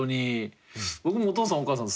僕もお父さんお母さん